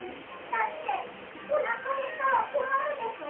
だっておなかへったらこまるでしょ？